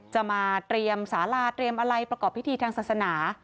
จะมาเตรียมสาราเตรียมอะไรประกอบพิธีทางศาสนา